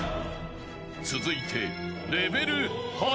［続いて］